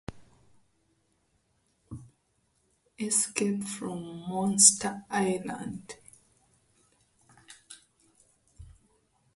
Escape from Monsta Island!